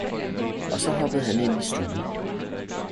og så hoppede han ind i stuen.